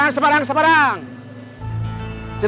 yang sama si jal successor